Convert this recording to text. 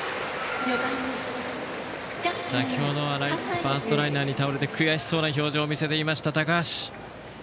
先程はファーストライナーに倒れ悔しそうな表情を見せていました高橋。